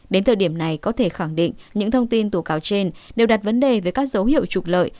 đến thời điểm này có thể khẳng định những thông tin tố cáo trên đều đặt vấn đề về các dấu hiệu trục lợi